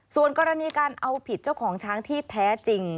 ส่วนกรณีการเอาผิดเจ้าของช้างที่แท้จริง